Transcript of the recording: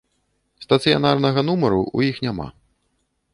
Стацыянарнага нумару у іх няма.